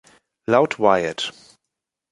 Laut Wyatt.